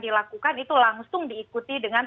dilakukan itu langsung diikuti dengan